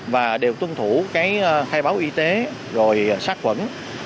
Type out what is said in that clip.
và đều tuân thủ cái khai báo y tế rồi sát quẩn